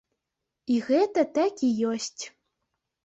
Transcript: І гэта так і ёсць.